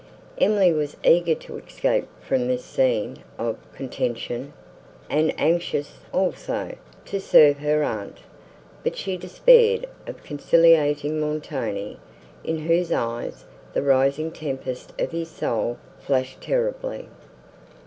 Emily was eager to escape from this scene of contention, and anxious, also, to serve her aunt; but she despaired of conciliating Montoni, in whose eyes the rising tempest of his soul flashed terribly.